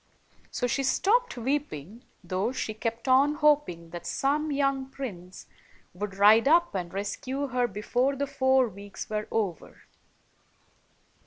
So she stopped weep ing, though she kept on hoping that some young prince would ride up and rescue her before the four weeks were over.